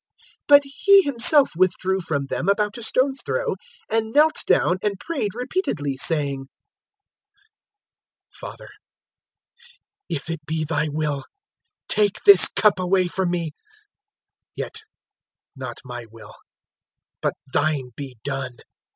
022:041 But He Himself withdrew from them about a stone's throw, and knelt down and prayed repeatedly, saying, 022:042 "Father, if it be Thy will, take this cup away from me; yet not my will but Thine be done!"